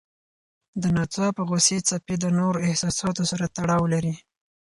د ناڅاپه غوسې څپې د نورو احساساتو سره تړاو لري.